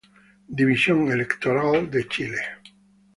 División electoral de Chile